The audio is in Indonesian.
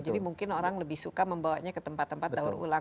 jadi mungkin orang lebih suka membawanya ke tempat tempat daur ulang